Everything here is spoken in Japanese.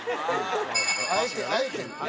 あえてあえてね。